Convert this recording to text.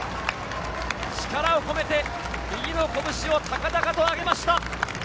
力を込めて、右の拳を高々と上げました。